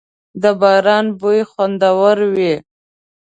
• د باران بوی خوندور وي.